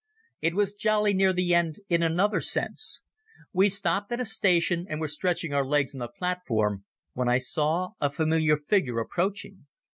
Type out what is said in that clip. It was jolly near the end in another sense. We stopped at a station and were stretching our legs on the platform when I saw a familiar figure approaching.